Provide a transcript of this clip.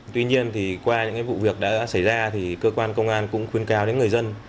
tuy nhiên qua những vụ việc đã xảy ra cơ quan công an cũng khuyên cao đến người dân